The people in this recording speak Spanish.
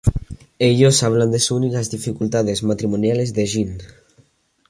Ellos hablan de Sun y las dificultades matrimoniales de Jin.